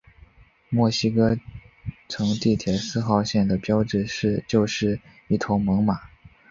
墨西哥城地铁四号线的标志就是一头猛犸。